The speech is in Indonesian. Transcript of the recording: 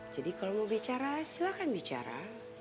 jadi kalo mau bicara silahkan bicara